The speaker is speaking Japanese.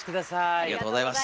ありがとうございます。